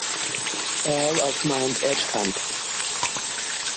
Earl of Mount Edgcumbe.